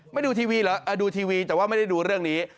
ดูทีวีเหรอดูทีวีแต่ว่าไม่ได้ดูเรื่องนี้